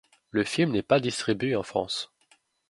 Le film n'est pas distribué en France.